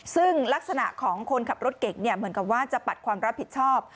ซึ่งลักษณะของคนขับรถเก่งเหมือนกับว่าจะปัดความรับผิดชอบ